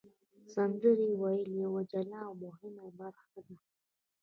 سندرې ویل یوه جلا او مهمه برخه ده.